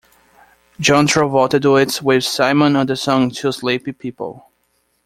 John Travolta duets with Simon on the song "Two Sleepy People".